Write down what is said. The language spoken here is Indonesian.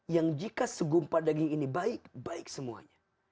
yang jika segumpah daging ini baik baik semuanya